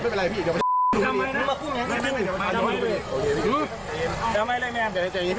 เอาไงเลยแม่ง